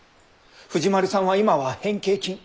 藤丸さんは今は変形菌。